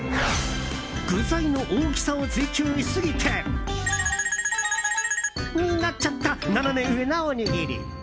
具材の大きさを追求しすぎてになっちゃったナナメ上なおにぎり。